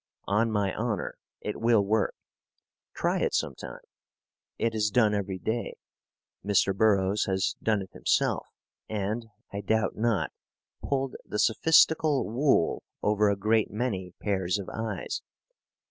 On my honour, it will work. Try it some time. It is done every day. Mr. Burroughs has done it himself, and, I doubt not, pulled the sophistical wool over a great many pairs of eyes.